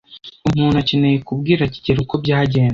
Umuntu akeneye kubwira kigeli uko byagenze.